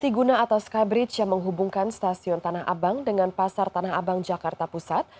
tiguna atau skybridge yang menghubungkan stasiun tanah abang dengan pasar tanah abang jakarta pusat